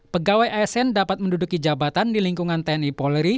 pegawai asn dapat menduduki jabatan di lingkungan tni polri